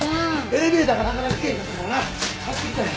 エレベーターがなかなか来ぇへんかったからな走ってきたんや。